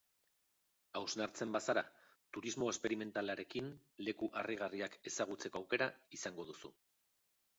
Ausartzen bazara, turismo esperimentalarekin leku harrigarriak ezagutzeko aukera izango duzu.